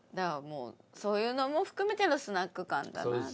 そういうのも含めてのスナック感だなと。